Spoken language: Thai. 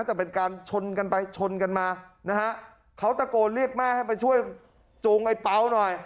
แต่เป็นการชนกันไปชนกันมานะฮะเขาตะโกนเรียกแม่ให้ไปช่วยจูงไอ้เป๋าหน่อย